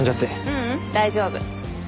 ううん大丈夫。